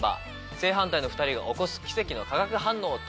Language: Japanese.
正反対の２人が起こす奇跡の化学反応とは？